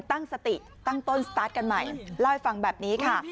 ตั้งสติตั้งต้นสตาร์ทกันใหม่เล่าให้ฟังแบบนี้ค่ะ